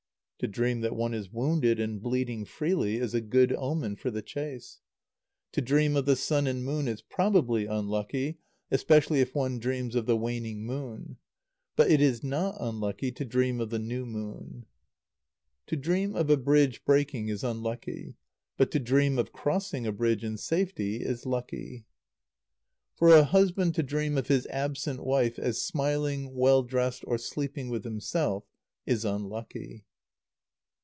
To dream that one is wounded, and bleeding freely, is a good omen for the chase. To dream of the sun and moon is probably unlucky, especially if one dreams of the waning moon. But it is not unlucky to dream of the new moon. To dream of a bridge breaking is unlucky. But to dream of crossing a bridge in safety is lucky. For a husband to dream of his absent wife as smiling, well dressed, or sleeping with himself, is unlucky.